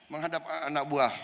menghadap anak buah